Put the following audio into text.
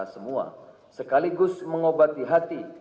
sekaligus mengobati hati